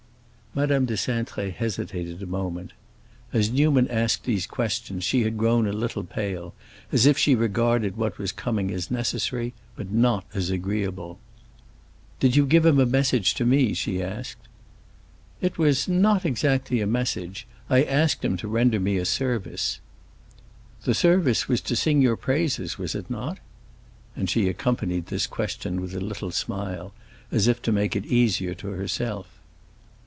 Madame de Cintré hesitated a moment. As Newman asked these questions she had grown a little pale, as if she regarded what was coming as necessary, but not as agreeable. "Did you give him a message to me?" she asked. "It was not exactly a message—I asked him to render me a service." "The service was to sing your praises, was it not?" And she accompanied this question with a little smile, as if to make it easier to herself.